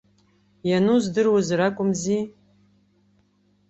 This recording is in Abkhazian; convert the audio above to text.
Иану здыруазар акәымзи.